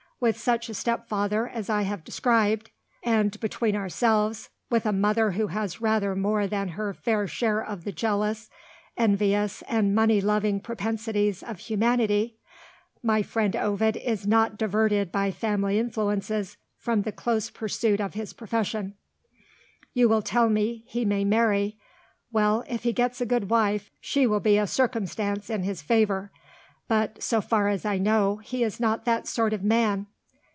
With such a stepfather as I have described, and, between ourselves, with a mother who has rather more than her fair share of the jealous, envious, and money loving propensities of humanity, my friend Ovid is not diverted by family influences from the close pursuit of his profession. You will tell me, he may marry. Well! if he gets a good wife she will be a circumstance in his favour. But, so far as I know, he is not that sort of man.